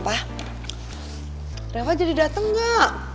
pa reva jadi dateng gak